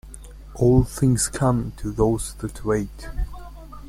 All things come to those that wait.